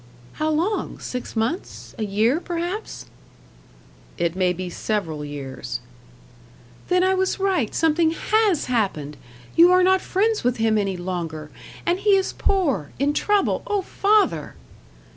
"How long? Six months? A year, perhaps?" "It may be several years." "Then, I was right. Something HAS happened; you are not friends with him any longer. And he is poor in trouble oh, father!"